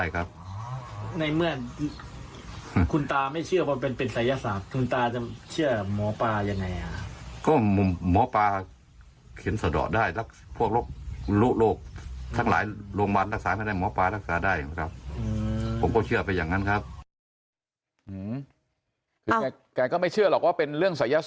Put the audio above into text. แกก็อยากให้หมอปลาช่วยอย่างนี้หรอ